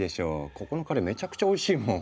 ここのカレーめちゃくちゃおいしいもん。